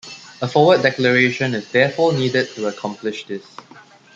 A forward declaration is therefore needed to accomplish this.